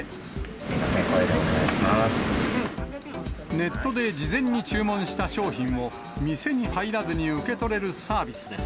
ネットで事前に注文した商品を、店に入らずに受け取れるサービスです。